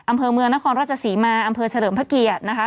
อำเภอเมืองนครราชศรีมาอำเภอเฉลิมพระเกียรตินะคะ